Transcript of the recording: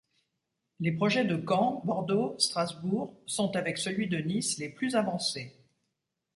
Les projets de Caen, Bordeaux, Strasbourg sont avec celui de Nice les plus avancés.